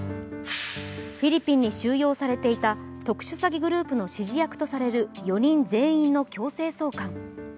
フィリピンに収容されていた特殊詐欺グループの指示役とされる４人全員の強制送還。